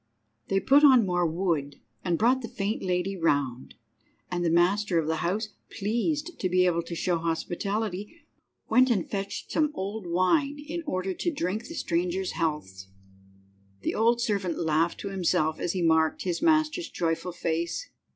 They put on more wood, and brought the fainted lady round, and the master of the house, pleased to be able to show hospitality, went and fetched some old wine in order to drink the strangers' healths. The old servant laughed to himself as he marked his master's joyful face.